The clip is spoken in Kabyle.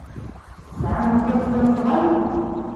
Tesɛamt tasnasɣalt?